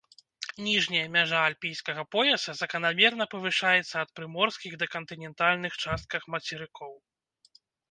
Ніжняя мяжа альпійскага пояса заканамерна павышаецца ад прыморскіх да кантынентальных частках мацерыкоў.